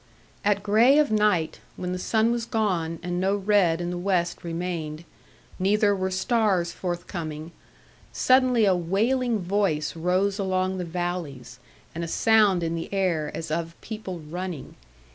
At grey of night, when the sun was gone, and no red in the west remained, neither were stars forthcoming, suddenly a wailing voice rose along the valleys, and a sound in the air, as of people running.